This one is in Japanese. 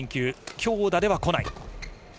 強打では来ない。